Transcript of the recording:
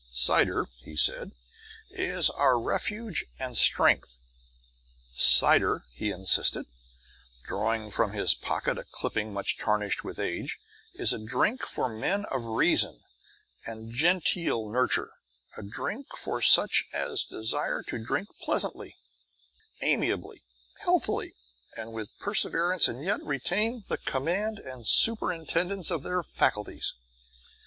Cider (he said) is our refuge and strength. Cider, he insisted, drawing from his pocket a clipping much tarnished with age, is a drink for men of reason and genteel nurture; a drink for such as desire to drink pleasantly, amiably, healthily, and with perseverance and yet retain the command and superintendence of their faculties.